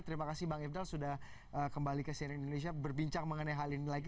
terima kasih bang ifdal sudah kembali ke cnn indonesia berbincang mengenai hal ini lagi